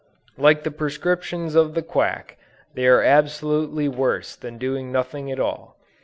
Like the prescriptions of the quack, they are absolutely worse than doing nothing at all.